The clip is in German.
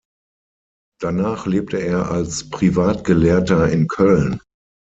Danach lebte er als Privatgelehrter in Köln.